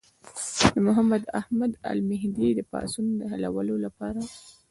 د محمد احمد المهدي د پاڅون د حلولو لپاره.